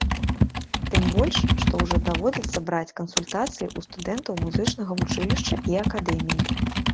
Тым больш, што ўжо даводзіцца браць кансультацыі ў студэнтаў музычнага вучылішча і акадэміі.